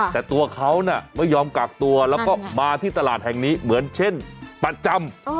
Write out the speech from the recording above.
แต่ตัวเขาน่ะไม่ยอมกักตัวแล้วก็มาที่ตลาดแห่งนี้เหมือนเช่นประจำ